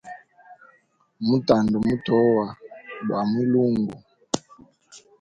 Butanda butoa bwa mwilungu.